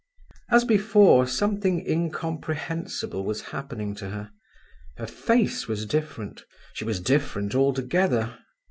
As before, something incomprehensible was happening to her; her face was different, she was different altogether.